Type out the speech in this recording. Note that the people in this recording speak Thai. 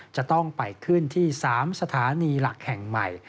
จะต้องไปขึ้นที่๓สถานีหลักแห่งใหม่